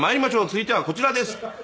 「続いてはこちらです」